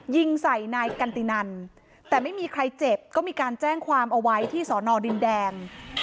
ยิงใส่นายกันตินันแต่ไม่มีใครเจ็บก็มีการแจ้งความเอาไว้ที่สอนอดินแดง